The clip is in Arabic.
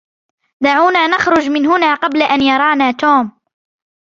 دعونا نخرج من هنا قبل أن يرانا توم.